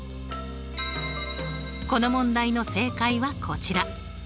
この問題の正解はこちら。